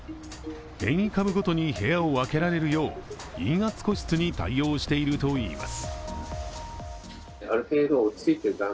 変異株ごとに部屋を分けられるよう、陰圧個室に対応しているといいます。